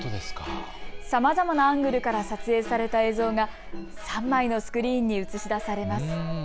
さまざまなアングルから撮影された映像が３枚のスクリーンに映し出されます。